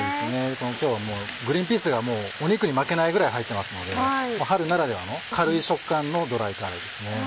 今日はグリンピースが肉に負けないぐらい入ってますので春ならではの軽い食感のドライカレーですね。